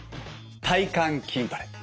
体幹筋トレ。